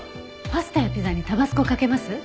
パスタやピザにタバスコかけます？